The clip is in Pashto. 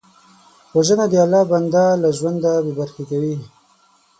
وژنه د الله بنده له ژونده بېبرخې کوي